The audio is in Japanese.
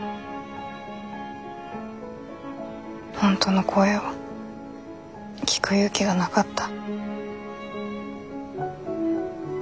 本当の声を聞く勇気がなかった。